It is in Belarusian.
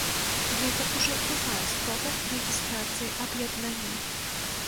Гэта ўжо другая спроба рэгістрацыі аб'яднання.